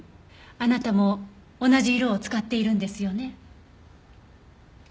あなたも同じ色を使っているんですよね？